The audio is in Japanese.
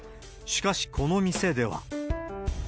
しかしこの店では。